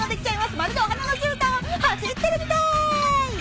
まるでお花のじゅうたんを走ってるみたい！